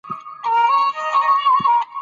په افغانستان کې د هلمند سیند ډېرې ګټورې منابع شته.